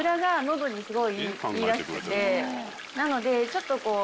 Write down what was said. なのでちょっとこう。